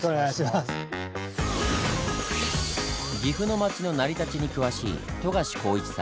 岐阜の町の成り立ちに詳しい富樫幸一さん。